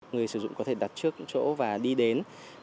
người sử dụng có thể đặt trước chỗ và đi đến